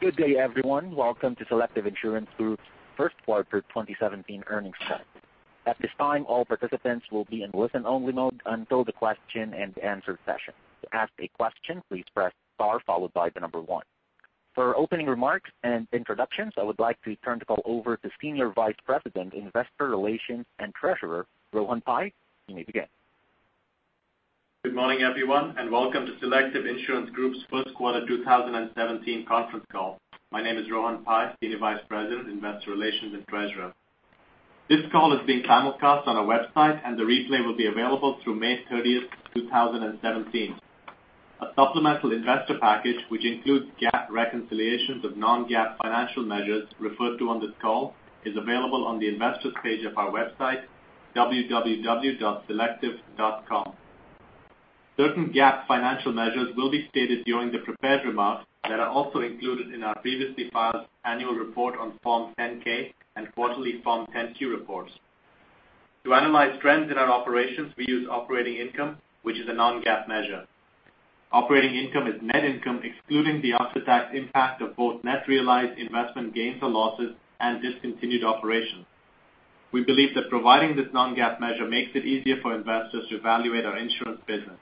Good day everyone. Welcome to Selective Insurance Group's first quarter 2017 earnings call. At this time, all participants will be in listen-only mode until the question and answer session. To ask a question, please press star followed by 1. For opening remarks and introductions, I would like to turn the call over to Senior Vice President, Investor Relations and Treasurer, Rohan Pai. You may begin. Good morning everyone. Welcome to Selective Insurance Group's first quarter 2017 conference call. My name is Rohan Pai, Senior Vice President, Investor Relations and Treasurer. This call is being simulcast on our website. The replay will be available through May 30th, 2017. A supplemental investor package, which includes GAAP reconciliations with non-GAAP financial measures referred to on this call, is available on the investor's page of our website, www.selective.com. Certain GAAP financial measures will be stated during the prepared remarks that are also included in our previously filed annual report on Form 10-K and quarterly Form 10-Q reports. To analyze trends in our operations, we use operating income, which is a non-GAAP measure. Operating income is net income excluding the after-tax impact of both net realized investment gains or losses and discontinued operations. We believe that providing this non-GAAP measure makes it easier for investors to evaluate our insurance business.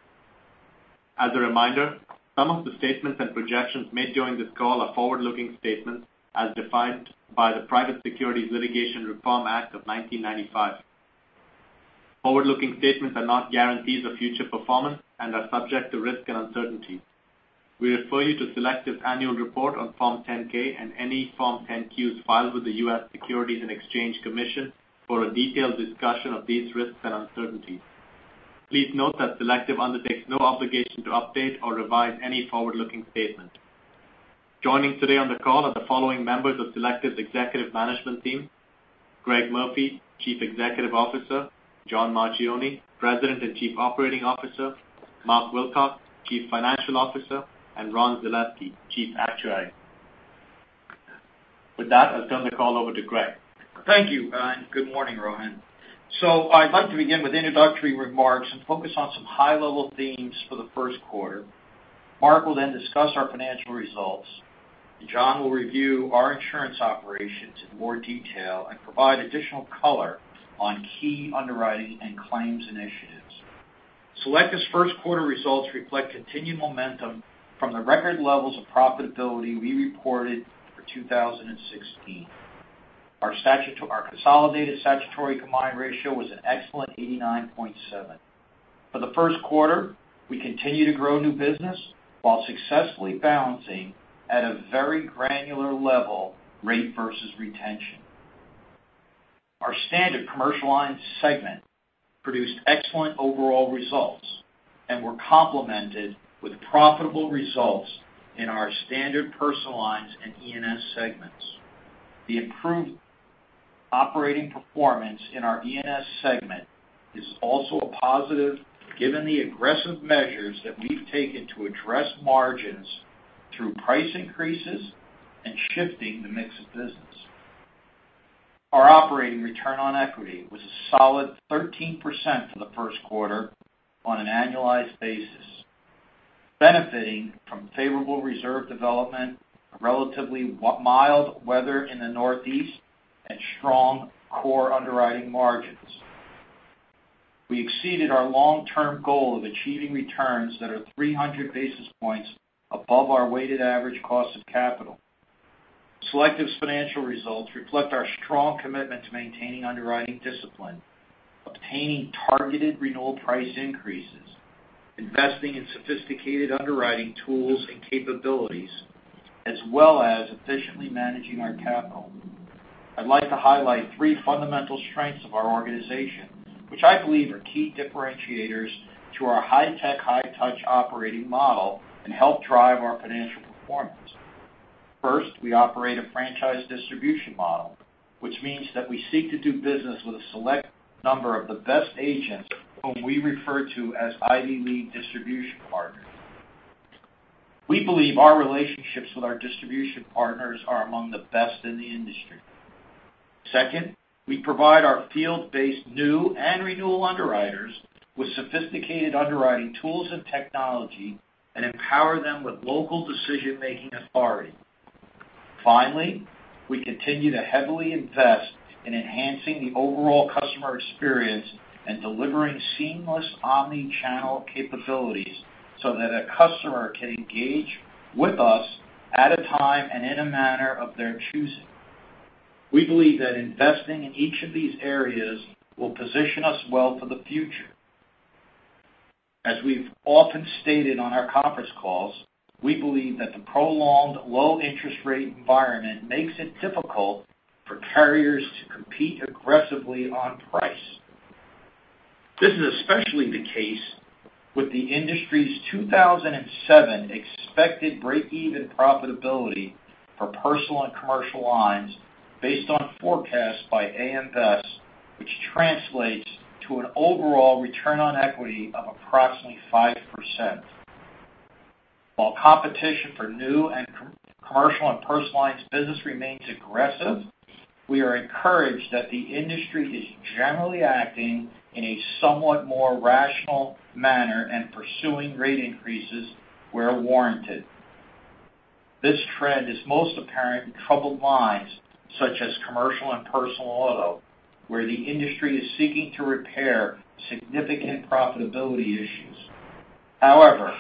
As a reminder, some of the statements and projections made during this call are forward-looking statements as defined by the Private Securities Litigation Reform Act of 1995. Forward-looking statements are not guarantees of future performance and are subject to risk and uncertainty. We refer you to Selective's annual report on Form 10-K and any Form 10-Qs filed with the U.S. Securities and Exchange Commission for a detailed discussion of these risks and uncertainties. Please note that Selective undertakes no obligation to update or revise any forward-looking statements. Joining today on the call are the following members of Selective's executive management team, Greg Murphy, Chief Executive Officer, John Marchioni, President and Chief Operating Officer, Mark Wilcox, Chief Financial Officer, and Ron Zaleski, Chief Actuary. With that, I'll turn the call over to Greg. Thank you. Good morning, Rohan. I'd like to begin with introductory remarks and focus on some high-level themes for the first quarter. Mark will discuss our financial results. John will review our insurance operations in more detail and provide additional color on key underwriting and claims initiatives. Selective's first quarter results reflect continued momentum from the record levels of profitability we reported for 2016. Our consolidated statutory combined ratio was an excellent 89.7. For the first quarter, we continue to grow new business while successfully balancing at a very granular level, rate versus retention. Our Standard Commercial Lines segment produced excellent overall results and were complemented with profitable results in our Standard Personal Lines and E&S segments. The improved operating performance in our E&S segment is also a positive given the aggressive measures that we've taken to address margins through price increases and shifting the mix of business. Our operating return on equity was a solid 13% for the first quarter on an annualized basis, benefiting from favorable reserve development, relatively mild weather in the Northeast, and strong core underwriting margins. We exceeded our long-term goal of achieving returns that are 300 basis points above our weighted average cost of capital. Selective's financial results reflect our strong commitment to maintaining underwriting discipline, obtaining targeted renewal price increases, investing in sophisticated underwriting tools and capabilities, as well as efficiently managing our capital. I'd like to highlight three fundamental strengths of our organization, which I believe are key differentiators to our high-tech, high-touch operating model and help drive our financial performance. First, we operate a franchise distribution model, which means that we seek to do business with a select number of the best agents whom we refer to as Ivy League distribution partners. We believe our relationships with our distribution partners are among the best in the industry. Second, we provide our field-based new and renewal underwriters with sophisticated underwriting tools and technology and empower them with local decision-making authority. Finally, we continue to heavily invest in enhancing the overall customer experience and delivering seamless omnichannel capabilities so that a customer can engage with us at a time and in a manner of their choosing. We believe that investing in each of these areas will position us well for the future. As we've often stated on our conference calls, we believe that the prolonged low interest rate environment makes it difficult for carriers to compete aggressively on price. This is especially the case with the industry's 2007 expected break-even profitability for Personal and Commercial Lines based on forecasts by AM Best, which translates to an overall return on equity of approximately 5%. While competition for new and Commercial and Personal Lines business remains aggressive, we are encouraged that the industry is generally acting in a somewhat more rational manner and pursuing rate increases where warranted. This trend is most apparent in troubled lines such as Commercial Auto and Personal Auto, where the industry is seeking to repair significant profitability issues. However,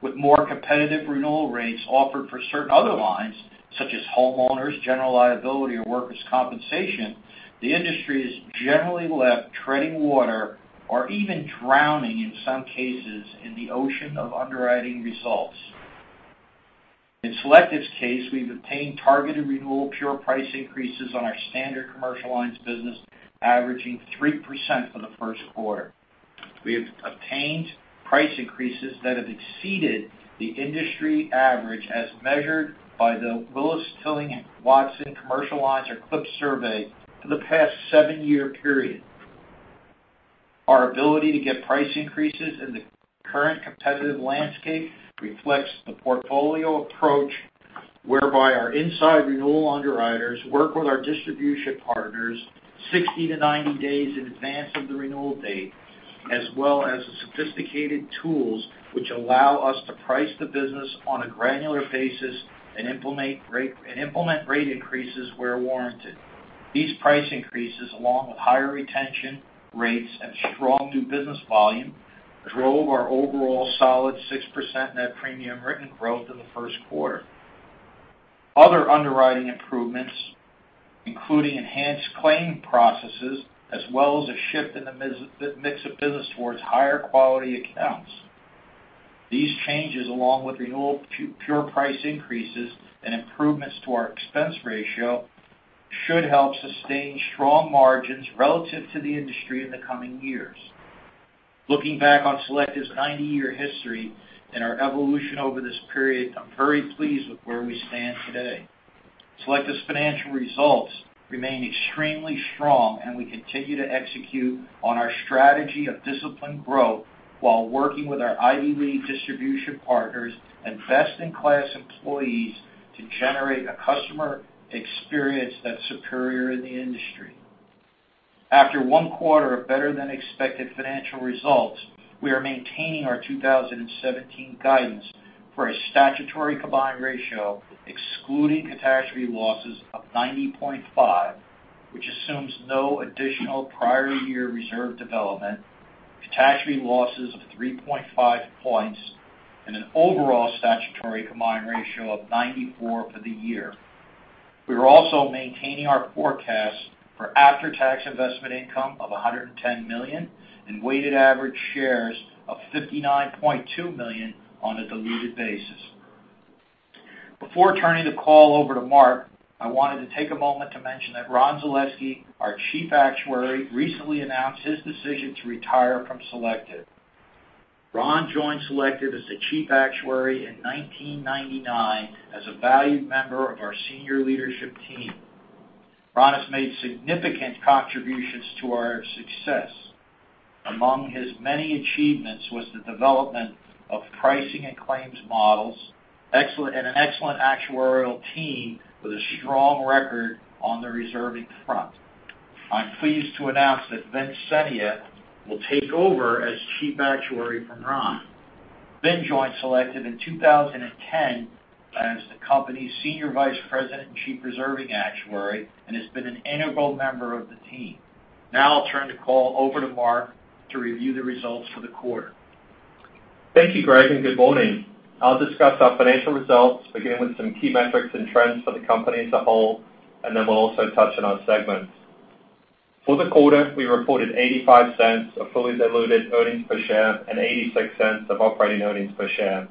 with more competitive renewal rates offered for certain other lines such as homeowners, General Liability, or Workers' Compensation, the industry is generally left treading water or even drowning in some cases in the ocean of underwriting results. In Selective's case, we've obtained targeted renewal pure price increases on our Standard Commercial Lines business averaging 3% for the first quarter. We have obtained price increases that have exceeded the industry average as measured by the Willis Towers Watson commercial lines or CLIPS survey for the past seven-year period. Our ability to get price increases in the current competitive landscape reflects the portfolio approach, whereby our inside renewal underwriters work with our distribution partners 60 to 90 days in advance of the renewal date, as well as the sophisticated tools which allow us to price the business on a granular basis and implement rate increases where warranted. These price increases, along with higher retention rates and strong new business volume, drove our overall solid 6% net premium written growth in the first quarter. Other underwriting improvements, including enhanced claim processes, as well as a shift in the mix of business towards higher quality accounts. These changes, along with renewal pure price increases and improvements to our expense ratio, should help sustain strong margins relative to the industry in the coming years. Looking back on Selective's 90-year history and our evolution over this period, I'm very pleased with where we stand today. Selective's financial results remain extremely strong, and we continue to execute on our strategy of disciplined growth while working with our Ivy League distribution partners and best-in-class employees to generate a customer experience that's superior in the industry. After one quarter of better-than-expected financial results, we are maintaining our 2017 guidance for a statutory combined ratio excluding catastrophe losses of 90.5%, which assumes no additional prior year reserve development, catastrophe losses of 3.5 points, and an overall statutory combined ratio of 94% for the year. We are also maintaining our forecast for after-tax investment income of $110 million and weighted average shares of 59.2 million on a diluted basis. Before turning the call over to Mark, I wanted to take a moment to mention that Ron Zaleski, our Chief Actuary, recently announced his decision to retire from Selective. Ron joined Selective as the Chief Actuary in 1999 as a valued member of our senior leadership team. Ron has made significant contributions to our success. Among his many achievements was the development of pricing and claims models, and an excellent actuarial team with a strong record on the reserving front. I'm pleased to announce that Vincent Senia will take over as Chief Actuary from Ron. Vince joined Selective in 2010 as the company's Senior Vice President and Chief Reserving Actuary and has been an integral member of the team. I'll turn the call over to Mark to review the results for the quarter. Thank you, Greg, and good morning. I'll discuss our financial results, beginning with some key metrics and trends for the company as a whole. Then we'll also touch on our segments. For the quarter, we reported $0.85 of fully diluted earnings per share and $0.86 of operating earnings per share.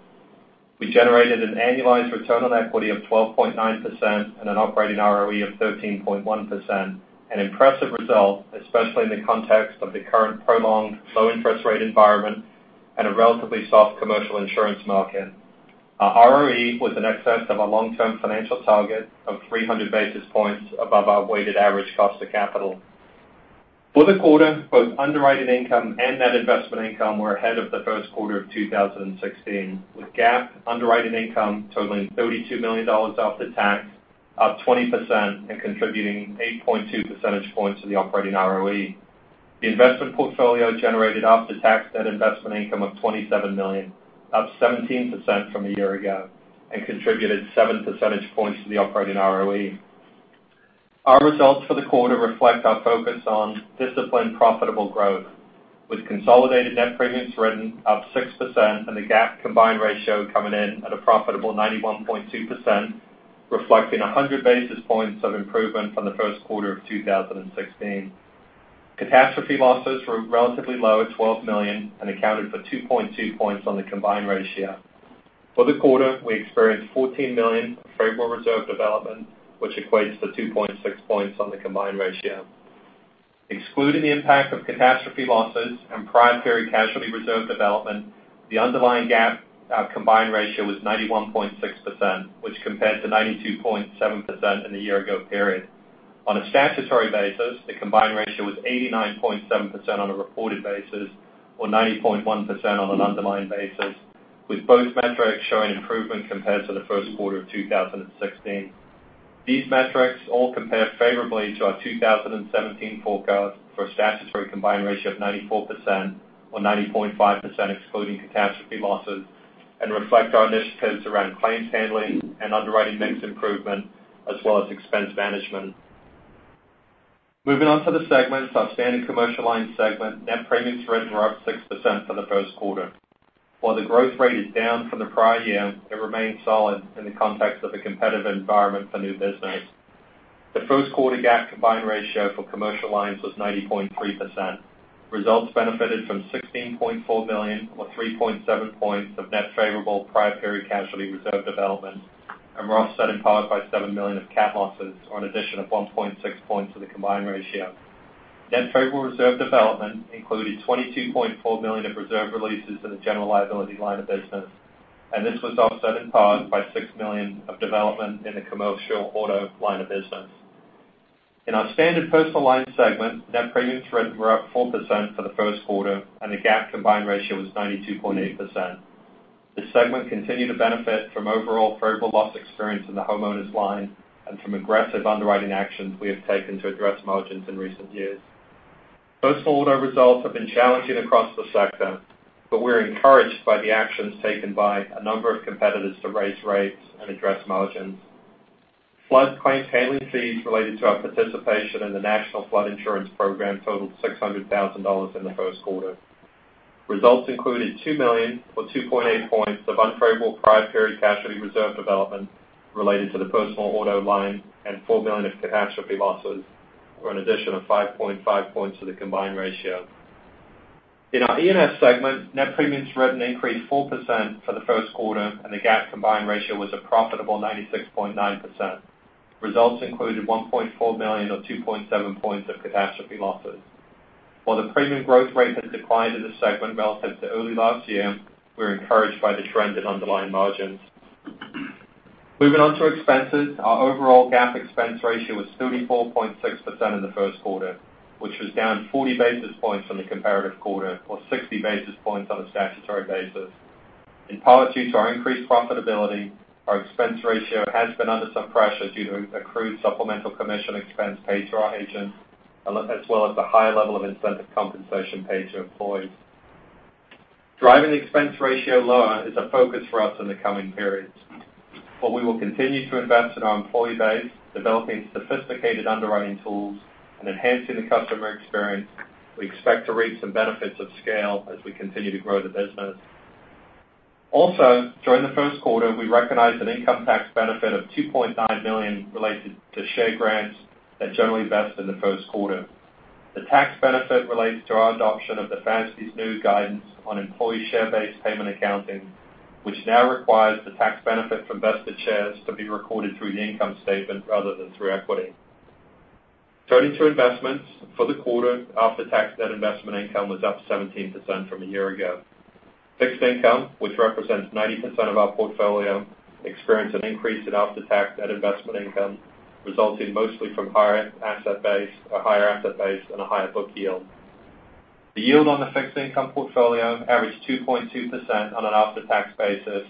We generated an annualized return on equity of 12.9% and an operating ROE of 13.1%, an impressive result, especially in the context of the current prolonged low interest rate environment and a relatively soft commercial insurance market. Our ROE was in excess of our long-term financial target of 300 basis points above our weighted average cost of capital. For the quarter, both underwriting income and net investment income were ahead of the first quarter of 2016, with GAAP underwriting income totaling $32 million after tax, up 20% and contributing 8.2 percentage points to the operating ROE. The investment portfolio generated after-tax net investment income of $27 million, up 17% from a year ago and contributed seven percentage points to the operating ROE. Our results for the quarter reflect our focus on disciplined, profitable growth with consolidated net premiums written up 6% and the GAAP combined ratio coming in at a profitable 91.2%, reflecting 100 basis points of improvement from the first quarter of 2016. Catastrophe losses were relatively low at $12 million and accounted for 2.2 points on the combined ratio. For the quarter, we experienced $14 million of favorable reserve development, which equates to 2.6 points on the combined ratio. Excluding the impact of catastrophe losses and prior period casualty reserve development, the underlying GAAP combined ratio was 91.6%, which compared to 92.7% in the year ago period. On a statutory basis, the combined ratio was 89.7% on a reported basis, or 90.1% on an underlying basis. Both metrics showing improvement compared to the first quarter of 2016. These metrics all compare favorably to our 2017 forecast for a statutory combined ratio of 94%, or 90.5% excluding catastrophe losses, and reflect our initiatives around claims handling and underwriting mix improvement, as well as expense management. Moving on to the segments. Our Standard Commercial Lines segment, net premiums written were up 6% for the first quarter. The growth rate is down from the prior year, it remains solid in the context of a competitive environment for new business. The first quarter GAAP combined ratio for Commercial Lines was 90.3%. Results benefited from $16.4 million, or 3.7 points of net favorable prior period casualty reserve development and were offset in part by $7 million of cat losses, or an addition of 1.6 points to the combined ratio. Net favorable reserve development included $22.4 million of reserve releases in the General Liability line of business, and this was offset in part by $6 million of development in the Commercial Auto line of business. In our Standard Personal Lines segment, net premiums written were up 4% for the first quarter, and the GAAP combined ratio was 92.8%. This segment continued to benefit from overall favorable loss experience in the homeowners line and from aggressive underwriting actions we have taken to address margins in recent years. Personal Auto results have been challenging across the sector, but we're encouraged by the actions taken by a number of competitors to raise rates and address margins. Flood claim handling fees related to our participation in the National Flood Insurance Program totaled $600,000 in the first quarter. Results included $2 million, or 2.8 points of unfavorable prior period casualty reserve development related to the Personal Auto line and $4 million of catastrophe losses, or an addition of 5.5 points to the combined ratio. In our E&S segment, net premiums written increased 4% for the first quarter, and the GAAP combined ratio was a profitable 96.9%. Results included $1.4 million, or 2.7 points of catastrophe losses. The premium growth rate has declined in the segment relative to early last year, we're encouraged by the trend in underlying margins. Moving on to expenses. Our overall GAAP expense ratio was 34.6% in the first quarter, which was down 40 basis points from the comparative quarter, or 60 basis points on a statutory basis. In part, due to our increased profitability, our expense ratio has been under some pressure due to accrued supplemental commission expense paid to our agents, as well as the high level of incentive compensation paid to employees. Driving the expense ratio lower is a focus for us in the coming periods. While we will continue to invest in our employee base, developing sophisticated underwriting tools, and enhancing the customer experience, we expect to reap some benefits of scale as we continue to grow the business. Also, during the first quarter, we recognized an income tax benefit of $2.9 million related to share grants that generally vest in the first quarter. The tax benefit relates to our adoption of the FASB's new guidance on employee share-based payment accounting, which now requires the tax benefit from vested shares to be recorded through the income statement rather than through equity. Turning to investments. For the quarter, after-tax net investment income was up 17% from a year ago. Fixed income, which represents 90% of our portfolio, experienced an increase in after-tax net investment income, resulting mostly from a higher asset base and a higher book yield. The yield on the fixed income portfolio averaged 2.2% on an after-tax basis,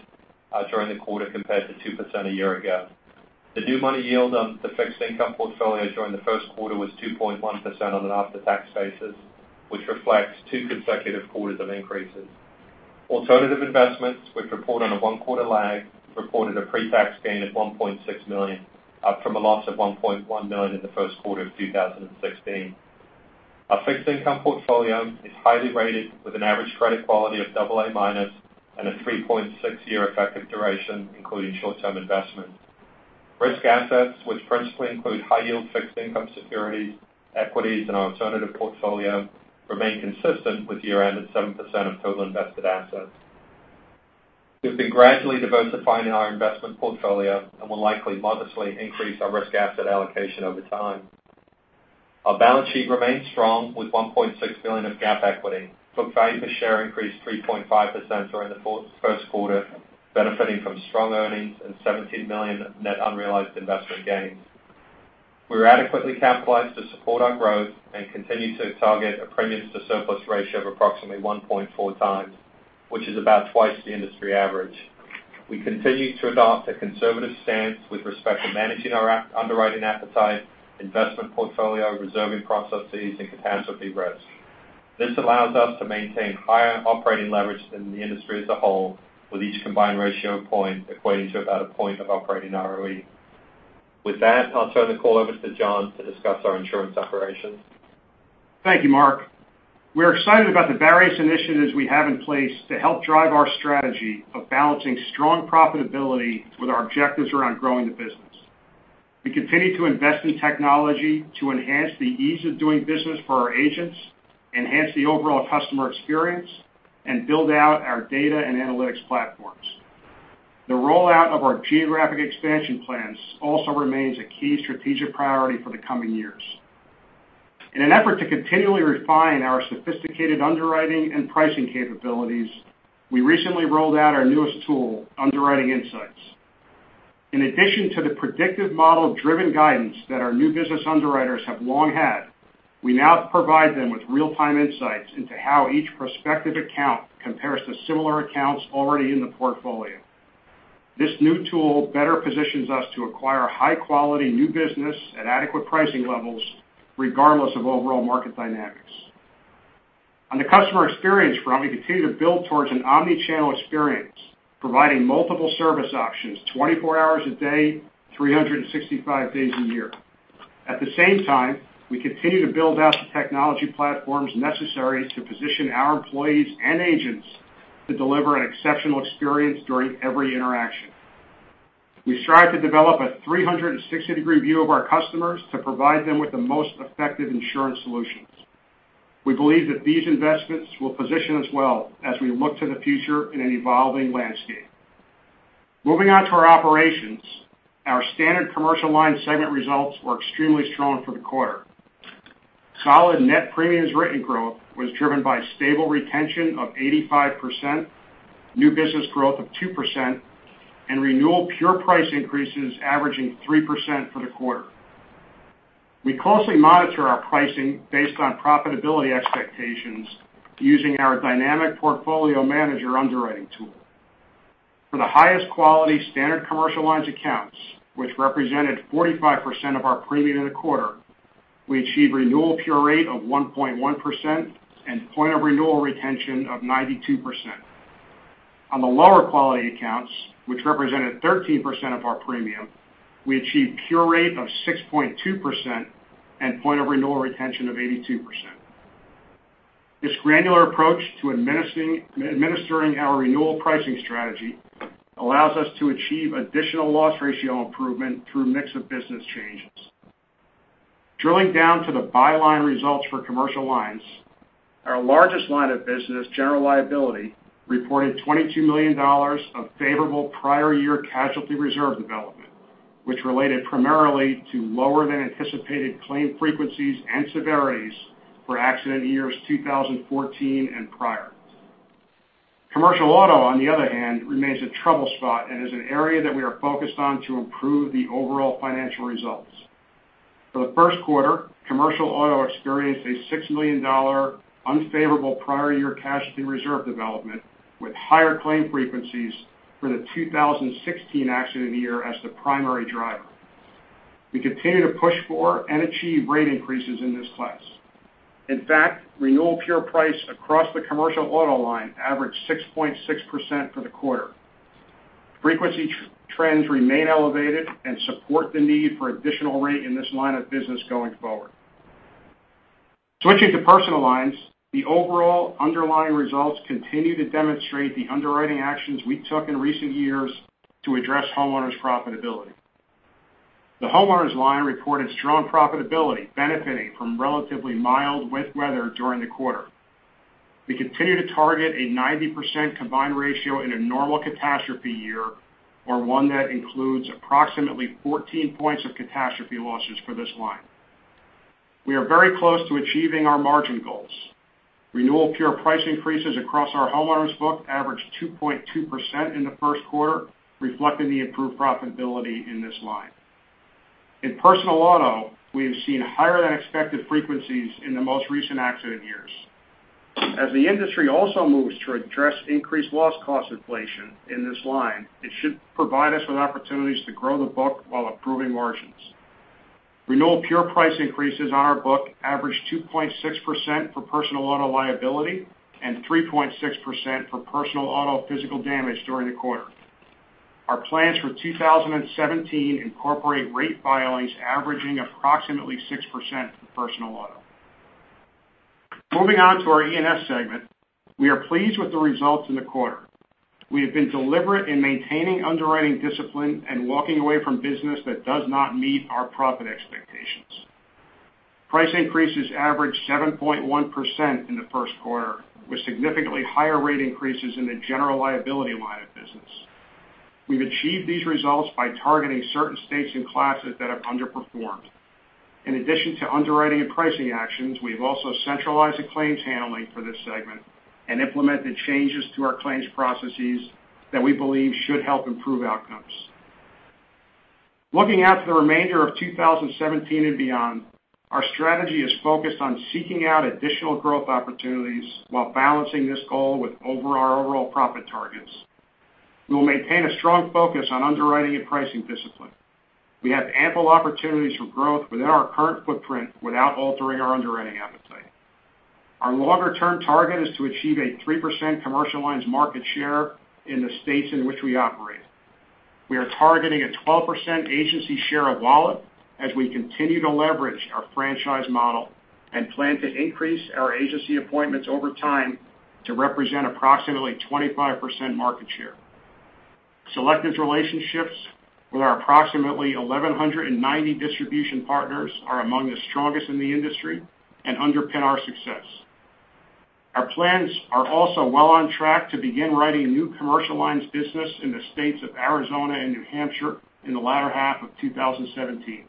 during the quarter, compared to 2% a year ago. The new money yield on the fixed income portfolio during the first quarter was 2.1% on an after-tax basis, which reflects two consecutive quarters of increases. Alternative investments, which report on a one-quarter lag, reported a pre-tax gain of $1.6 million, up from a loss of $1.1 million in the first quarter of 2016. Our fixed income portfolio is highly rated with an average credit quality of double A minus and a 3.6-year effective duration, including short-term investments. Risk assets, which principally include high yield fixed income securities, equities, and our alternative portfolio, remain consistent with year-end at 7% of total invested assets. We've been gradually diversifying our investment portfolio and will likely modestly increase our risk asset allocation over time. Our balance sheet remains strong with $1.6 billion of GAAP equity. Book value per share increased 3.5% during the first quarter, benefiting from strong earnings and $17 million net unrealized investment gains. We're adequately capitalized to support our growth and continue to target a premiums to surplus ratio of approximately 1.4 times, which is about twice the industry average. We continue to adopt a conservative stance with respect to managing our underwriting appetite, investment portfolio, reserving processes, and catastrophe risk. This allows us to maintain higher operating leverage than the industry as a whole, with each combined ratio point equating to about a point of operating ROE. With that, I'll turn the call over to John to discuss our insurance operations. Thank you, Mark. We are excited about the various initiatives we have in place to help drive our strategy of balancing strong profitability with our objectives around growing the business. We continue to invest in technology to enhance the ease of doing business for our agents, enhance the overall customer experience, and build out our data and analytics platforms. The rollout of our geographic expansion plans also remains a key strategic priority for the coming years. In an effort to continually refine our sophisticated underwriting and pricing capabilities, we recently rolled out our newest tool, Underwriting Insights. In addition to the predictive model-driven guidance that our new business underwriters have long had, we now provide them with real-time insights into how each prospective account compares to similar accounts already in the portfolio. This new tool better positions us to acquire high-quality new business at adequate pricing levels, regardless of overall market dynamics. On the customer experience front, we continue to build towards an omni-channel experience, providing multiple service options 24 hours a day, 365 days a year. At the same time, we continue to build out the technology platforms necessary to position our employees and agents to deliver an exceptional experience during every interaction. We strive to develop a 360-degree view of our customers to provide them with the most effective insurance solutions. We believe that these investments will position us well as we look to the future in an evolving landscape. Moving on to our operations, our Standard Commercial Lines segment results were extremely strong for the quarter. Solid net premiums written growth was driven by stable retention of 85%, new business growth of 2%, and renewal pure price increases averaging 3% for the quarter. We closely monitor our pricing based on profitability expectations using our Dynamic Portfolio Manager underwriting tool. For the highest quality Standard Commercial Lines accounts, which represented 45% of our premium in the quarter, we achieved renewal pure rate of 1.1% and point of renewal retention of 92%. On the lower quality accounts, which represented 13% of our premium, we achieved pure rate of 6.2% and point of renewal retention of 82%. This granular approach to administering our renewal pricing strategy allows us to achieve additional loss ratio improvement through mix of business changes. Drilling down to the byline results for Commercial Lines, our largest line of business, General Liability, reported $22 million of favorable prior year casualty reserve development, which related primarily to lower than anticipated claim frequencies and severities for accident years 2014 and prior. Commercial Auto, on the other hand, remains a trouble spot and is an area that we are focused on to improve the overall financial results. For the first quarter, Commercial Auto experienced a $6 million unfavorable prior year casualty reserve development with higher claim frequencies for the 2016 accident year as the primary driver. We continue to push for and achieve rate increases in this class. In fact, renewal pure price across the Commercial Auto line averaged 6.6% for the quarter. Frequency trends remain elevated and support the need for additional rate in this line of business going forward. Switching to Personal Lines, the overall underlying results continue to demonstrate the underwriting actions we took in recent years to address homeowners' profitability. The homeowners line reported strong profitability, benefiting from relatively mild weather during the quarter. We continue to target a 90% combined ratio in a normal catastrophe year, or one that includes approximately 14 points of catastrophe losses for this line. We are very close to achieving our margin goals. Renewal pure price increases across our homeowners book averaged 2.2% in the first quarter, reflecting the improved profitability in this line. In Personal Auto, we have seen higher than expected frequencies in the most recent accident years. As the industry also moves to address increased loss cost inflation in this line, it should provide us with opportunities to grow the book while improving margins. Renewal pure price increases on our book averaged 2.6% for Personal Auto liability and 3.6% for Personal Auto physical damage during the quarter. Our plans for 2017 incorporate rate filings averaging approximately 6% for Personal Auto. Moving on to our E&S segment, we are pleased with the results in the quarter. We have been deliberate in maintaining underwriting discipline and walking away from business that does not meet our profit expectations. Price increases averaged 7.1% in the first quarter, with significantly higher rate increases in the General Liability line of business. We've achieved these results by targeting certain states and classes that have underperformed. In addition to underwriting and pricing actions, we've also centralized the claims handling for this segment and implemented changes to our claims processes that we believe should help improve outcomes. Looking out to the remainder of 2017 and beyond, our strategy is focused on seeking out additional growth opportunities while balancing this goal with our overall profit targets. We will maintain a strong focus on underwriting and pricing discipline. We have ample opportunities for growth within our current footprint without altering our underwriting appetite. Our longer-term target is to achieve a 3% commercial lines market share in the states in which we operate. We are targeting a 12% agency share of wallet as we continue to leverage our franchise model and plan to increase our agency appointments over time to represent approximately 25% market share. Selective's relationships with our approximately 1,190 distribution partners are among the strongest in the industry and underpin our success. Our plans are also well on track to begin writing new commercial lines business in the states of Arizona and New Hampshire in the latter half of 2017.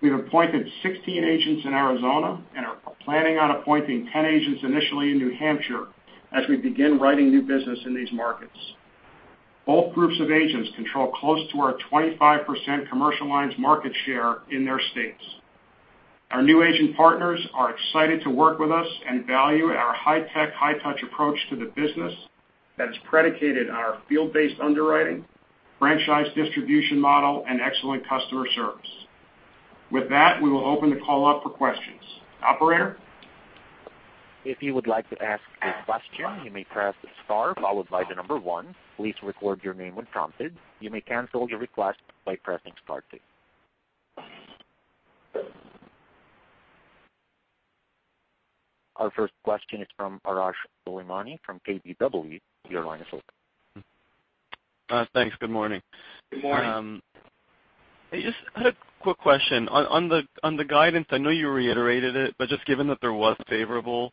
We've appointed 16 agents in Arizona and are planning on appointing 10 agents initially in New Hampshire as we begin writing new business in these markets. Both groups of agents control close to our 25% commercial lines market share in their states. Our new agent partners are excited to work with us and value our high-tech, high-touch approach to the business that's predicated on our field-based underwriting, franchise distribution model, and excellent customer service. With that, we will open the call up for questions. Operator? If you would like to ask a question, you may press star followed by the number one. Please record your name when prompted. You may cancel your request by pressing star two. Our first question is from Arash Soleimani from KBW. Your line is open. Thanks. Good morning. Good morning. I just had a quick question. On the guidance, I know you reiterated it, but just given that there was favorable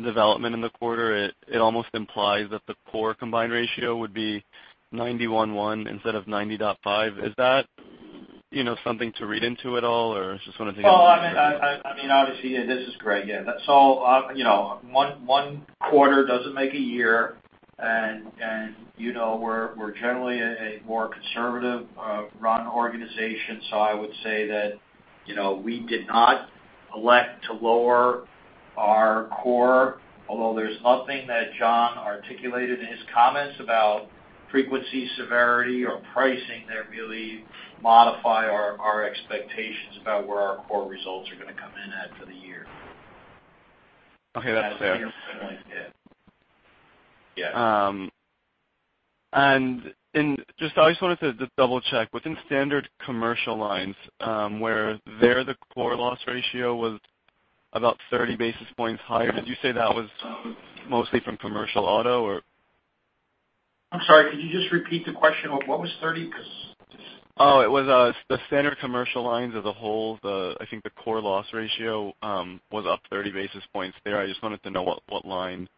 development in the quarter, it almost implies that the core combined ratio would be 91.1 instead of 90.5. Is that something to read into at all? Well, obviously, this is Greg. Yeah. One quarter doesn't make a year, and we're generally a more conservative-run organization, so I would say that we did not elect to lower our core, although there's nothing that John articulated in his comments about frequency, severity, or pricing that really modify our expectations about where our core results are going to come in at for the year. Okay. That's fair. Yeah. I just wanted to double-check. Within Standard Commercial Lines, where the core loss ratio was about 30 basis points higher, did you say that was mostly from Commercial Auto or? I'm sorry, could you just repeat the question of what was 30. Oh, it was the Standard Commercial Lines as a whole, I think the core loss ratio was up 30 basis points there. I just wanted to know what line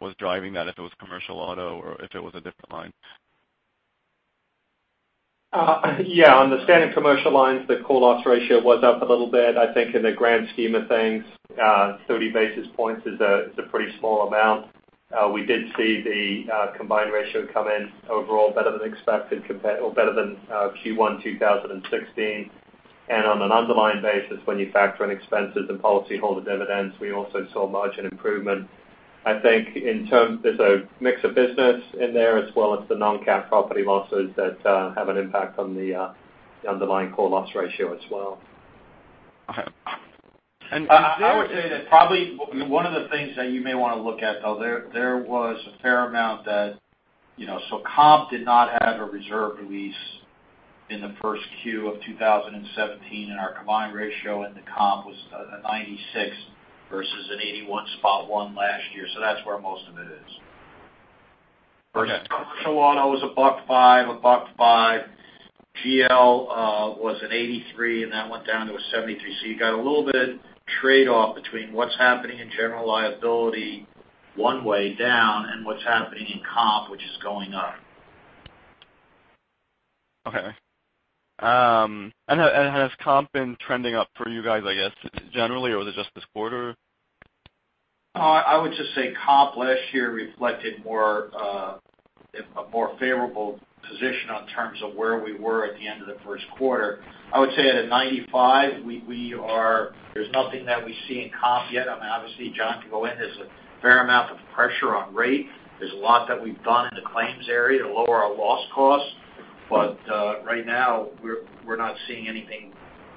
was driving that, if it was Commercial Auto or if it was a different line. Yeah. On the Standard Commercial Lines, the core loss ratio was up a little bit. I think in the grand scheme of things, 30 basis points is a pretty small amount. We did see the combined ratio come in overall better than expected or better than Q1 2016. On an underlying basis, when you factor in expenses and policyholder dividends, we also saw margin improvement. I think there's a mix of business in there, as well as the non-cat property losses that have an impact on the underlying core loss ratio as well. Okay. I would say that probably one of the things that you may want to look at, though, there was a fair amount that comp did not have a reserve release in the first Q of 2017, and our combined ratio in the comp was at 96 versus an 81.1 last year. That's where most of it is. Okay. Commercial Auto was $1.05, $1.05. GL was an 83, and that went down to a 73. You got a little bit of trade-off between what's happening in General Liability one way down and what's happening in comp, which is going up. Okay. Has comp been trending up for you guys, I guess, generally, or was it just this quarter? I would just say comp last year reflected a more favorable position in terms of where we were at the end of the first quarter. I would say at a 95, there's nothing that we see in comp yet. Obviously, John can go in. There's a fair amount of pressure on rate. There's a lot that we've done in the claims area to lower our loss costs. Right now we're not seeing anything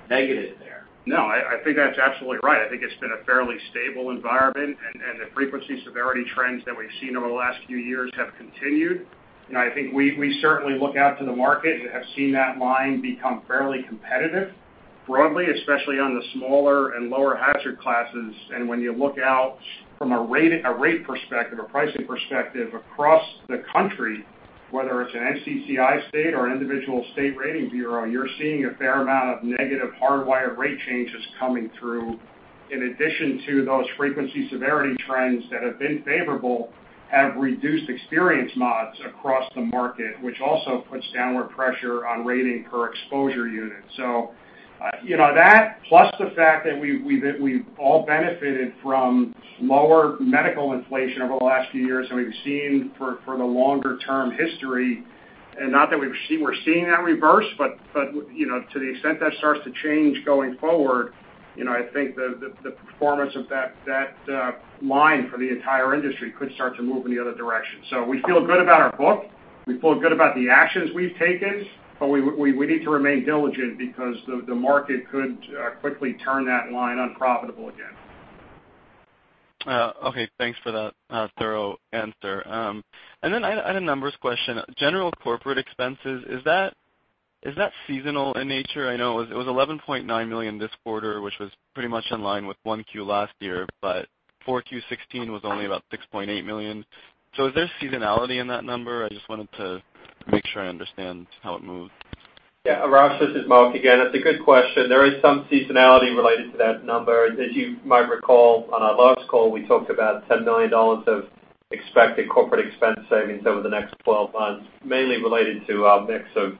negative there. No, I think that's absolutely right. I think it's been a fairly stable environment, the frequency severity trends that we've seen over the last few years have continued. I think we certainly look out to the market and have seen that line become fairly competitive broadly, especially on the smaller and lower hazard classes. When you look out from a rate perspective or pricing perspective across the country, whether it's an NCCI state or an individual state rating bureau, you're seeing a fair amount of negative hardwire rate changes coming through, in addition to those frequency severity trends that have been favorable, have reduced experience mods across the market, which also puts downward pressure on rating per exposure unit. That plus the fact that we've all benefited from lower medical inflation over the last few years than we've seen for the longer-term history. Not that we're seeing that reverse, but to the extent that starts to change going forward, I think the performance of that line for the entire industry could start to move in the other direction. We feel good about our book. We feel good about the actions we've taken, but we need to remain diligent because the market could quickly turn that line unprofitable again. Okay. Thanks for that thorough answer. Then I had a numbers question. General corporate expenses, is that seasonal in nature? I know it was $11.9 million this quarter, which was pretty much in line with 1Q last year, but 4Q 2016 was only about $6.8 million. Is there seasonality in that number? I just wanted to make sure I understand how it moved. Yeah, Arash, this is Mark again. It's a good question. There is some seasonality related to that number. As you might recall on our last call, we talked about $10 million of expected corporate expense savings over the next 12 months, mainly related to our mix of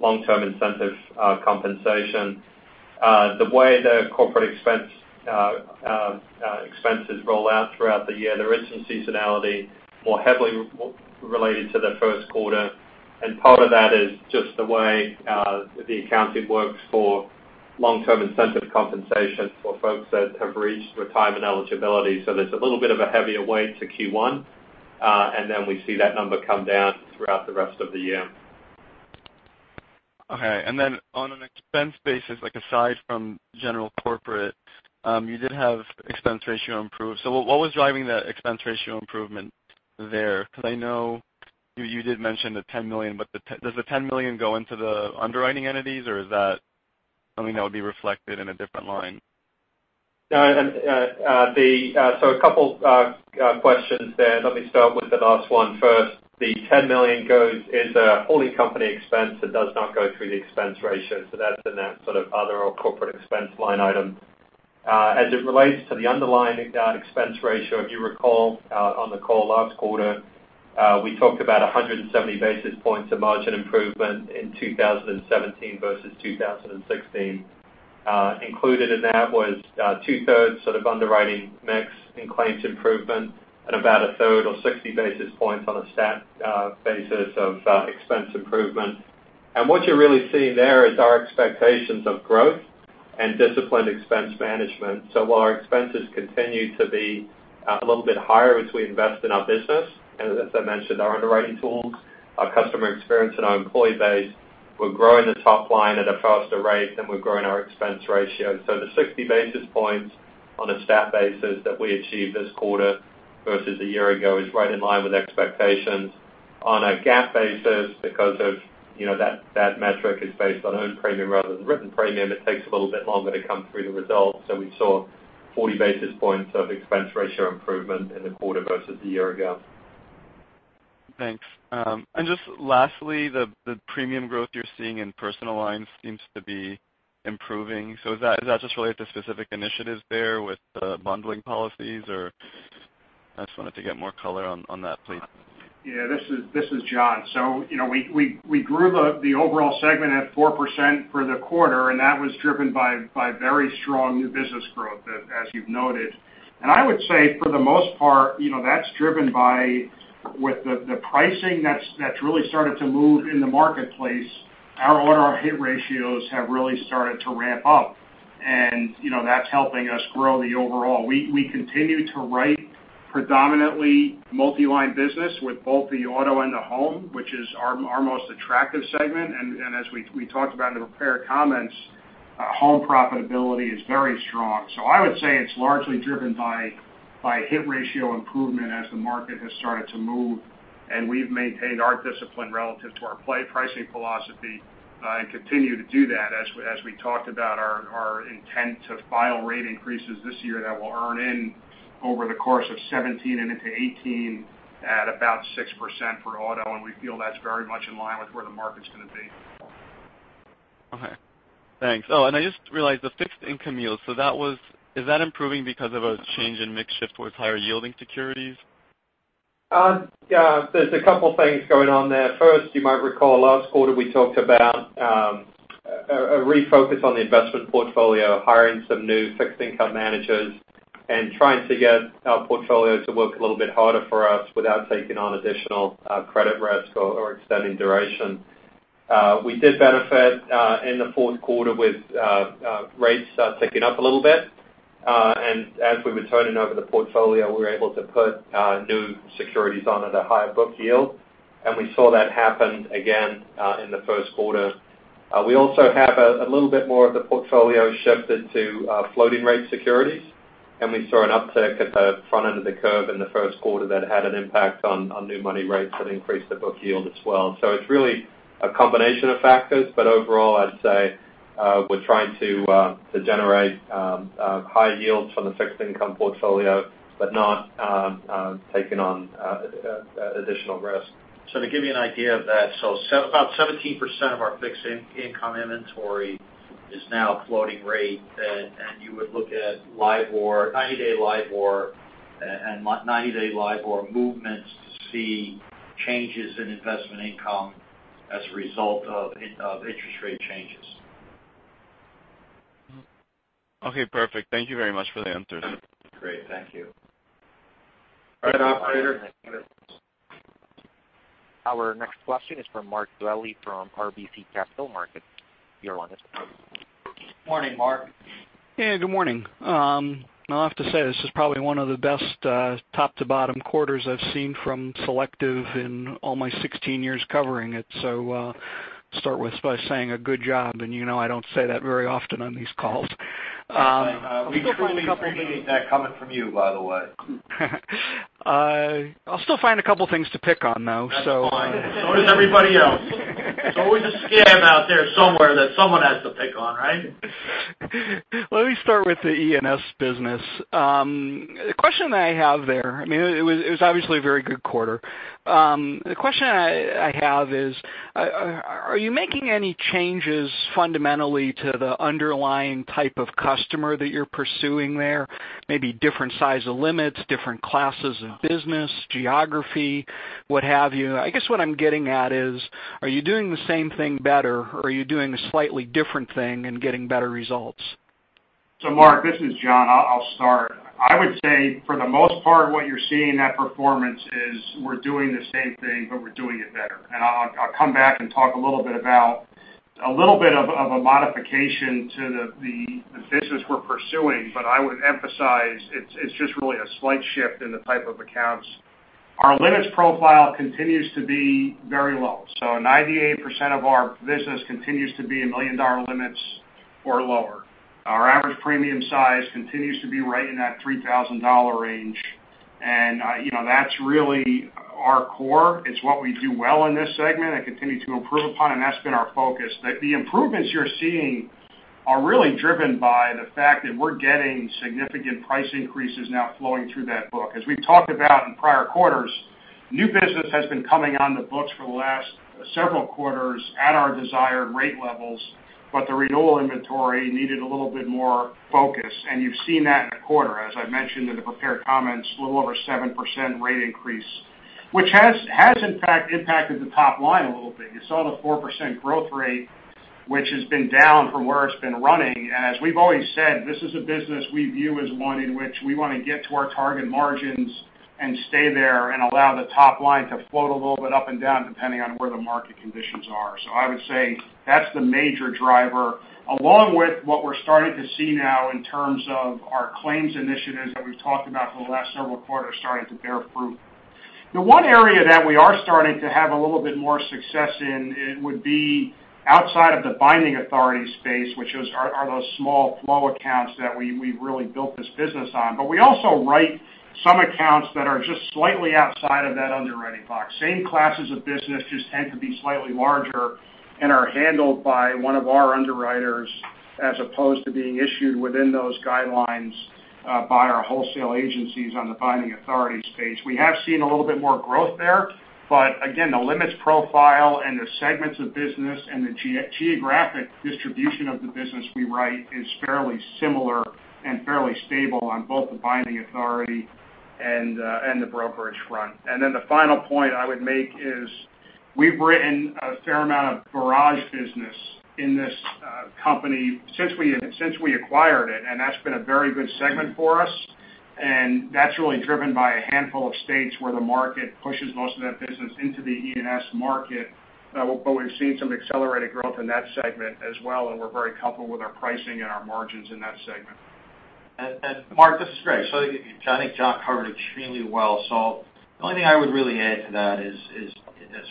long-term incentive compensation. The way the corporate expenses roll out throughout the year, there is some seasonality, more heavily related to the first quarter, and part of that is just the way the accounting works for long-term incentive compensation for folks that have reached retirement eligibility. There's a little bit of a heavier weight to Q1, and then we see that number come down throughout the rest of the year. Okay. Then on an expense basis, aside from general corporate, you did have expense ratio improve. What was driving that expense ratio improvement there? Because I know you did mention the $10 million, but does the $10 million go into the underwriting entities, or is that something that would be reflected in a different line? A couple questions there. Let me start with the last one first. The $10 million is a fully company expense, it does not go through the expense ratio. That's in that other or corporate expense line item. As it relates to the underlying expense ratio, if you recall, on the call last quarter, we talked about 170 basis points of margin improvement in 2017 versus 2016. Included in that was two-thirds underwriting mix in claims improvement and about a third or 60 basis points on a stat basis of expense improvement. What you're really seeing there is our expectations of growth and disciplined expense management. While our expenses continue to be a little bit higher as we invest in our business, and as I mentioned, our underwriting tools, our customer experience, and our employee base, we're growing the top line at a faster rate than we're growing our expense ratio. The 60 basis points on a stat basis that we achieved this quarter versus a year ago is right in line with expectations. On a GAAP basis, because that metric is based on earned premium rather than written premium, it takes a little bit longer to come through the results. We saw 40 basis points of expense ratio improvement in the quarter versus the year ago. Thanks. Just lastly, the premium growth you're seeing in Personal Lines seems to be improving. Is that just related to specific initiatives there with the bundling policies, or I just wanted to get more color on that, please. Yeah, this is John. We grew the overall segment at 4% for the quarter, that was driven by very strong new business growth, as you've noted. I would say for the most part, that's driven by, with the pricing that's really started to move in the marketplace, our hit ratios have really started to ramp up. That's helping us grow the overall. We continue to write predominantly multi-line business with both the Personal Auto and the Home, which is our most attractive segment. As we talked about in the prepared comments, Home profitability is very strong. I would say it's largely driven by hit ratio improvement as the market has started to move, we've maintained our discipline relative to our pricing philosophy, continue to do that as we talked about our intent to file rate increases this year that will earn in over the course of 2017 and into 2018 at about 6% for Personal Auto. We feel that's very much in line with where the market's going to be. Okay. Thanks. I just realized the fixed income yield. Is that improving because of a change in mix shift towards higher yielding securities? Yeah. There's a couple things going on there. First, you might recall last quarter we talked about a refocus on the investment portfolio, hiring some new fixed income managers and trying to get our portfolio to work a little bit harder for us without taking on additional credit risk or extending duration. We did benefit in the fourth quarter with rates ticking up a little bit. As we were turning over the portfolio, we were able to put new securities on at a higher book yield. We saw that happen again in the first quarter. We also have a little bit more of the portfolio shifted to floating rate securities. We saw an uptick at the front end of the curve in the first quarter that had an impact on new money rates that increased the book yield as well. It's really a combination of factors, but overall, I'd say, we're trying to generate high yields from the fixed income portfolio, but not taking on additional risk. To give you an idea of that, so about 17% of our fixed income inventory is now floating rate. You would look at 90-day LIBOR and 90-day LIBOR movements to see changes in investment income as a result of interest rate changes. Okay, perfect. Thank you very much for the answers. Great. Thank you. All right, operator. Our next question is from Mark Dwelle from RBC Capital Markets. You're on. Morning, Mark. Yeah, good morning. I'll have to say, this is probably one of the best top to bottom quarters I've seen from Selective in all my 16 years covering it. Start with by saying a good job. You know I don't say that very often on these calls. Thanks, Mark. We truly appreciate that coming from you, by the way. I'll still find a couple things to pick on, though. That's fine. Does everybody else. It's always a scare somewhere that someone has to pick on, right? Let me start with the E&S business. The question that I have there, it was obviously a very good quarter. The question I have is, are you making any changes fundamentally to the underlying type of customer that you're pursuing there? Maybe different size of limits, different classes of business, geography, what have you. I guess what I'm getting at is, are you doing the same thing better, or are you doing a slightly different thing and getting better results? Mark, this is John. I'll start. I would say for the most part, what you're seeing in that performance is we're doing the same thing, but we're doing it better. I'll come back and talk a little bit about a little bit of a modification to the business we're pursuing. I would emphasize, it's just really a slight shift in the type of accounts. Our limits profile continues to be very low. 98% of our business continues to be a million-dollar limits or lower. Our average premium size continues to be right in that $3,000 range. That's really our core. It's what we do well in this segment and continue to improve upon, and that's been our focus. The improvements you're seeing are really driven by the fact that we're getting significant price increases now flowing through that book. As we've talked about in prior quarters, new business has been coming on the books for the last several quarters at our desired rate levels, but the renewal inventory needed a little bit more focus, and you've seen that in the quarter. As I've mentioned in the prepared comments, a little over 7% rate increase, which has in fact impacted the top line a little bit. You saw the 4% growth rate, which has been down from where it's been running. As we've always said, this is a business we view as one in which we want to get to our target margins and stay there and allow the top line to float a little bit up and down depending on where the market conditions are. I would say that's the major driver, along with what we're starting to see now in terms of our claims initiatives that we've talked about for the last several quarters starting to bear fruit. The one area that we are starting to have a little bit more success in would be outside of the binding authority space, which are those small flow accounts that we've really built this business on. We also write some accounts that are just slightly outside of that underwriting box. Same classes of business, just tend to be slightly larger and are handled by one of our underwriters as opposed to being issued within those guidelines by our wholesale agencies on the binding authority space. We have seen a little bit more growth there, but again, the limits profile and the segments of business and the geographic distribution of the business we write is fairly similar and fairly stable on both the binding authority and the brokerage front. The final point I would make is we've written a fair amount of garage business in this company since we acquired it, and that's been a very good segment for us. That's really driven by a handful of states where the market pushes most of that business into the E&S market. We've seen some accelerated growth in that segment as well, and we're very comfortable with our pricing and our margins in that segment. Mark, this is Greg. I think John covered extremely well. The only thing I would really add to that is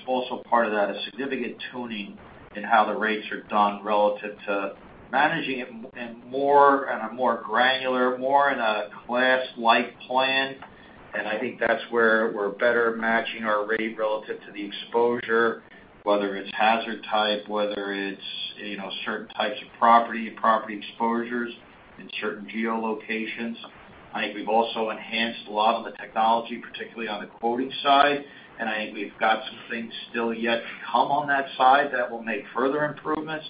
also part of that, a significant tuning in how the rates are done relative to managing it in a more granular, more in a class-like plan. I think that's where we're better matching our rate relative to the exposure, whether it's hazard type, whether it's certain types of property and property exposures in certain geo-locations. I think we've also enhanced a lot of the technology, particularly on the quoting side. I think we've got some things still yet to come on that side that will make further improvements.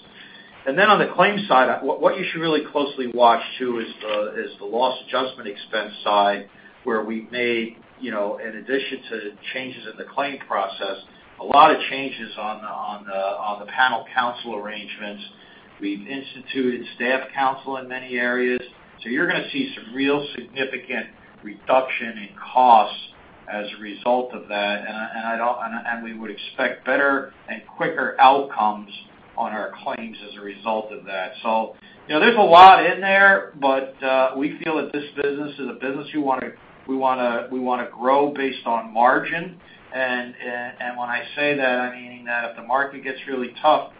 On the claims side, what you should really closely watch too is the loss adjustment expense side, where we've made, in addition to changes in the claim process, a lot of changes on the panel counsel arrangements. We've instituted staff counsel in many areas. You're going to see some real significant reduction in costs as a result of that. We would expect better and quicker outcomes on our claims as a result of that. There's a lot in there, but we feel that this business is a business we want to grow based on margin. When I say that, I mean that if the market gets really tough,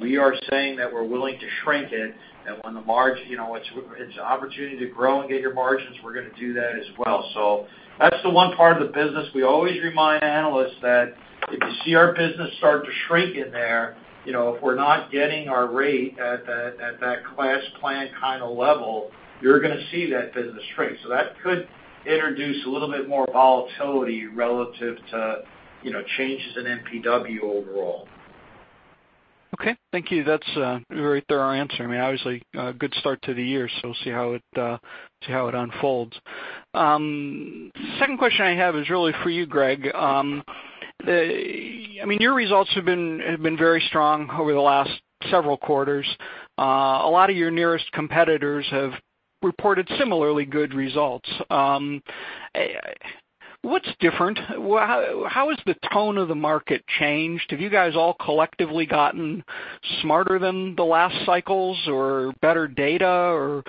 we are saying that we're willing to shrink it, that when the margin, it's an opportunity to grow and get your margins, we're going to do that as well. That's the one part of the business we always remind analysts that if you see our business start to shrink in there, if we're not getting our rate at that class plan kind of level, you're going to see that business shrink. That could introduce a little bit more volatility relative to changes in NPW overall. Thank you. That's a very thorough answer. Obviously, a good start to the year, we'll see how it unfolds. Second question I have is really for you, Greg. Your results have been very strong over the last several quarters. A lot of your nearest competitors have reported similarly good results. What's different? How has the tone of the market changed? Have you guys all collectively gotten smarter than the last cycles or better data?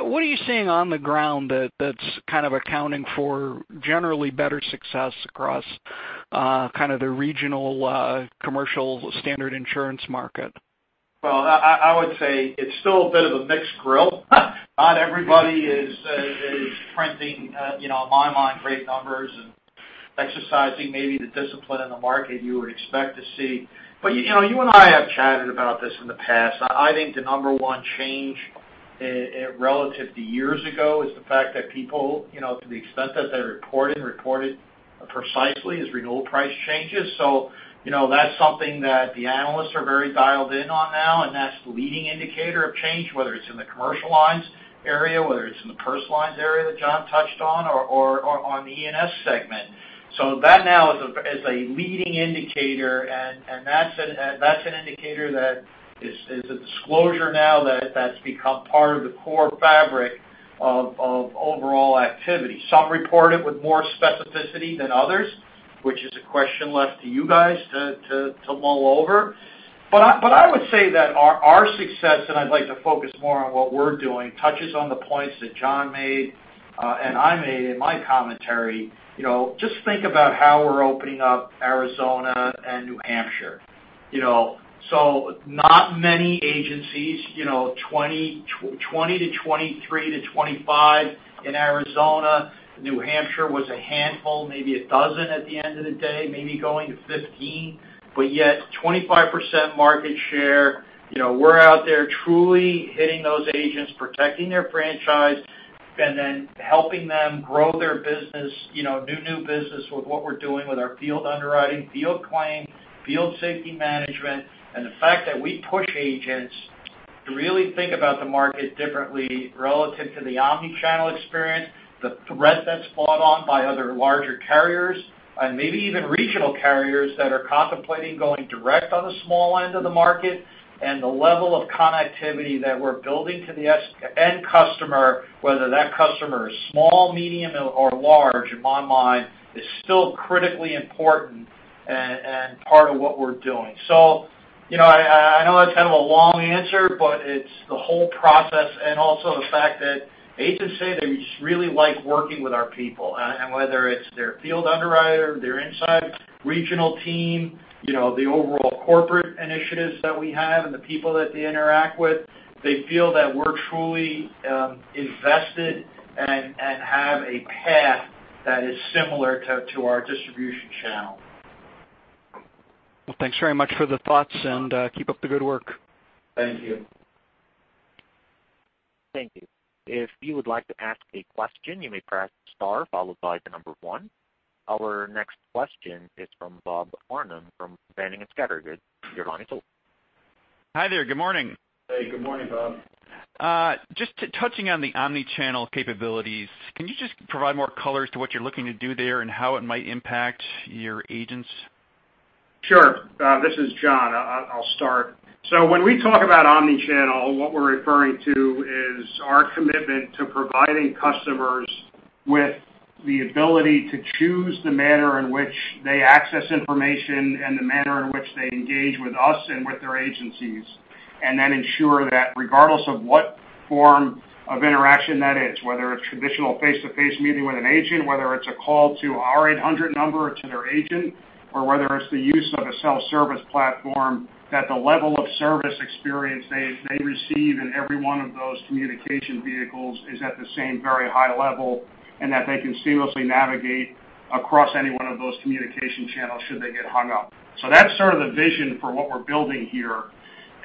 What are you seeing on the ground that's accounting for generally better success across the regional commercial standard insurance market? I would say it's still a bit of a mixed grill. Not everybody is printing, on my mind, great numbers and exercising maybe the discipline in the market you would expect to see. You and I have chatted about this in the past. I think the number one change relative to years ago is the fact that people, to the extent that they're reported precisely as renewal price changes. That's something that the analysts are very dialed in on now, and that's the leading indicator of change, whether it's in the commercial lines area, whether it's in the personal lines area that John touched on or on the E&S segment. That now is a leading indicator, and that's an indicator that is a disclosure now that's become part of the core fabric of overall activity. Some report it with more specificity than others, which is a question left to you guys to mull over. I would say that our success, and I'd like to focus more on what we're doing, touches on the points that John made, and I made in my commentary. Just think about how we're opening up Arizona and New Hampshire. Not many agencies, 20 to 23 to 25 in Arizona. New Hampshire was a handful, maybe 12 at the end of the day, maybe going to 15, but yet 25% market share. We're out there truly hitting those agents, protecting their franchise, and then helping them grow their business, do new business with what we're doing with our field underwriting, field claim, field safety management, and the fact that we push agents to really think about the market differently relative to the omni-channel experience, the threat that's brought on by other larger carriers, and maybe even regional carriers that are contemplating going direct on the small end of the market, and the level of connectivity that we're building to the end customer, whether that customer is small, medium, or large, in my mind, is still critically important and part of what we're doing. I know that's kind of a long answer, it's the whole process and also the fact that agents say they just really like working with our people, and whether it's their field underwriter, their inside regional team, the overall corporate initiatives that we have and the people that they interact with, they feel that we're truly invested and have a path that is similar to our distribution channel. Well, thanks very much for the thoughts, and keep up the good work. Thank you. Thank you. If you would like to ask a question, you may press star followed by the number one. Our next question is from Bob Farnam from Boenning & Scattergood. Your line is open. Hi there. Good morning. Hey, good morning, Bob. Just touching on the omni-channel capabilities, can you just provide more color as to what you're looking to do there and how it might impact your agents? Sure. This is John. I'll start. When we talk about omni-channel, what we're referring to is our commitment to providing customers with the ability to choose the manner in which they access information and the manner in which they engage with us and with their agencies, and then ensure that regardless of what form of interaction that is, whether it's traditional face-to-face meeting with an agent, whether it's a call to our 800 number or to their agent, or whether it's the use of a self-service platform, that the level of service experience they receive in every one of those communication vehicles is at the same very high level, and that they can seamlessly navigate across any one of those communication channels should they get hung up. That's sort of the vision for what we're building here.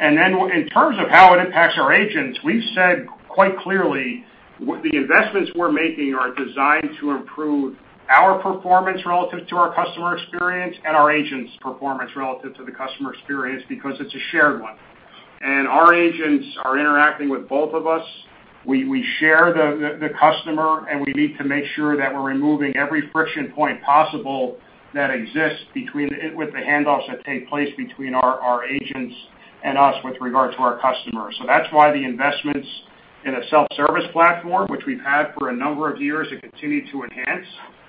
In terms of how it impacts our agents, we've said quite clearly the investments we're making are designed to improve our performance relative to our customer experience and our agents' performance relative to the customer experience, because it's a shared one. Our agents are interacting with both of us. We share the customer, and we need to make sure that we're removing every friction point possible that exists with the handoffs that take place between our agents and us with regard to our customers. That's why the investments in a self-service platform, which we've had for a number of years and continue to enhance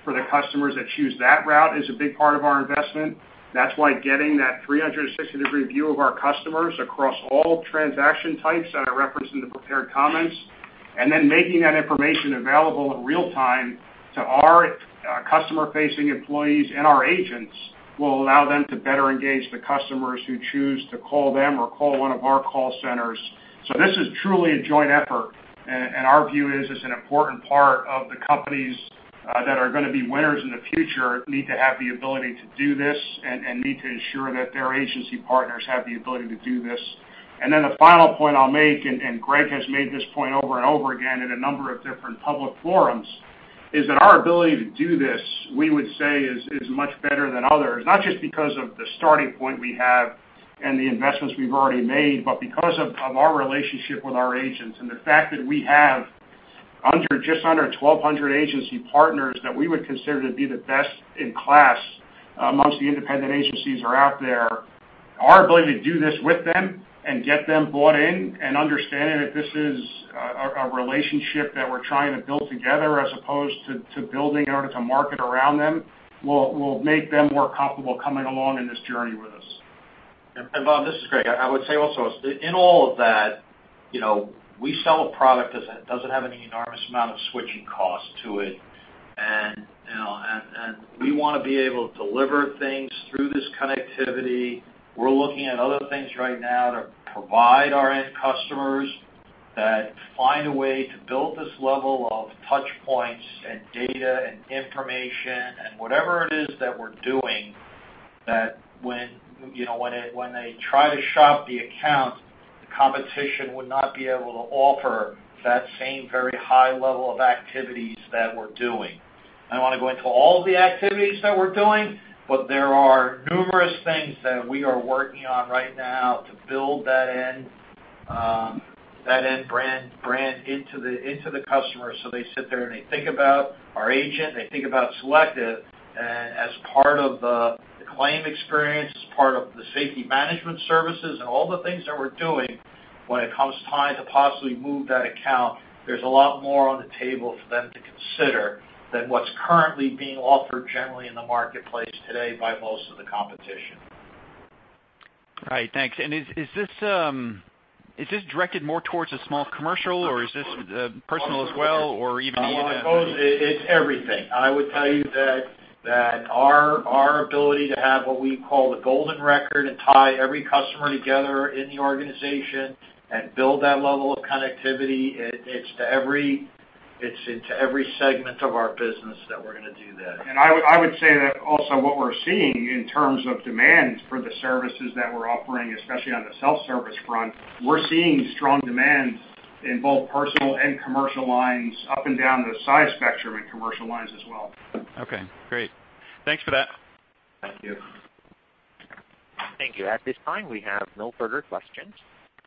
for the customers that choose that route, is a big part of our investment. That's why getting that 360-degree view of our customers across all transaction types that I referenced in the prepared comments, making that information available in real time to our customer-facing employees and our agents will allow them to better engage the customers who choose to call them or call one of our call centers. This is truly a joint effort, and our view is it's an important part of the companies that are going to be winners in the future need to have the ability to do this and need to ensure that their agency partners have the ability to do this. The final point I'll make, and Greg has made this point over and over again in a number of different public forums, is that our ability to do this, we would say, is much better than others, not just because of the starting point we have and the investments we've already made, but because of our relationship with our agents and the fact that we have just under 1,200 agency partners that we would consider to be the best in class amongst the independent agencies that are out there. Our ability to do this with them and get them bought in and understanding that this is a relationship that we're trying to build together as opposed to building in order to market around them will make them more comfortable coming along on this journey with us. Bob, this is Greg. I would say also, in all of that, we sell a product that doesn't have any enormous amount of switching cost to it. We want to be able to deliver things through this connectivity. We're looking at other things right now to provide our end customers that find a way to build this level of touch points and data and information and whatever it is that we're doing, that when they try to shop the account, the competition would not be able to offer that same very high level of activities that we're doing. I don't want to go into all the activities that we're doing, but there are numerous things that we are working on right now to build that in, brand into the customer, so they sit there, and they think about our agent, they think about Selective as part of the claim experience, as part of the safety management services and all the things that we're doing when it comes time to possibly move that account. There's a lot more on the table for them to consider than what's currently being offered generally in the marketplace today by most of the competition. Right. Thanks. Is this directed more towards a small commercial, or is this personal as well, or even medium? I suppose it's everything. I would tell you that our ability to have what we call the golden record and tie every customer together in the organization and build that level of connectivity, it's into every segment of our business that we're going to do that. I would say that also what we're seeing in terms of demand for the services that we're offering, especially on the self-service front, we're seeing strong demand in both personal and commercial lines up and down the size spectrum in commercial lines as well. Okay, great. Thanks for that. Thank you. Thank you. At this time, we have no further questions.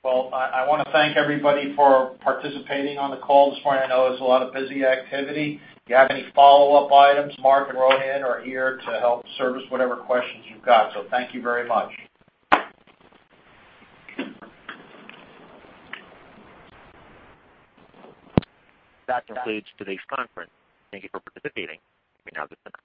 Well, I want to thank everybody for participating on the call this morning. I know there's a lot of busy activity. If you have any follow-up items, Mark and Rohan are here to help service whatever questions you've got. Thank you very much. That concludes today's conference. Thank you for participating. You may now disconnect.